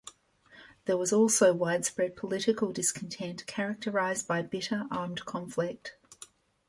There was also widespread political discontent characterized by bitter armed conflict.